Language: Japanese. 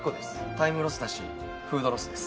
タイムロスだしフードロスです。